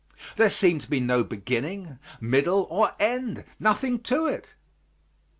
There seemed to be no beginning, middle or end nothing to it.